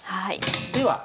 はい。